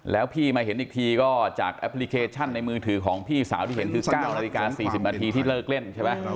แล้วพี่มาเห็นอีกทีก็จากแอปพลิเคชันในมือถือของพี่สาวที่เห็นคือ๙นาฬิกา๔๐นาทีที่เลิกเล่นใช่ไหม